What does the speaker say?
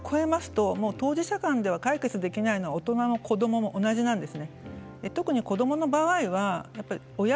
ある段階を越えますと当事者では解決ができないのは親も子どもも一緒なんです。